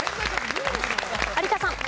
有田さん。